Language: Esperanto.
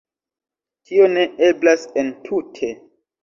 Tio ne eblas entute.